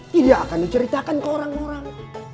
tidak akan diceritakan ke orang orang